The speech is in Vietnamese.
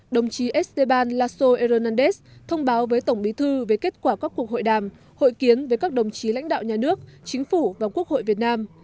đồng chí esteban laso ernadez thông báo với tổng bí thư về kết quả các cuộc hội đàm hội kiến với các đồng chí lãnh đạo nhà nước chính phủ và quốc hội việt nam